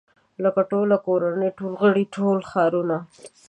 لکه ټوله کورنۍ ټول غړي ټول ښارونه.